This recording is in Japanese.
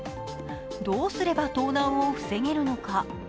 どうすれば盗難を防げるのか。